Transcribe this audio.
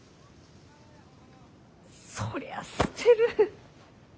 そりゃあ捨てる！